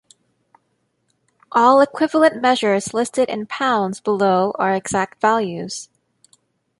All equivalent measures listed in pounds below are exact values.